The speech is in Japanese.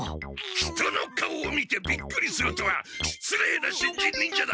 人の顔を見てびっくりするとはしつれいな新人忍者だ。